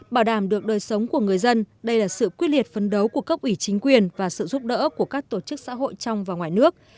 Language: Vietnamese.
bảo đảm được đời sống của người dân đây là sự quyết liệt phấn đấu của cấp ủy chính quyền và sự giúp đỡ của các tổ chức xã hội trong và ngoài nước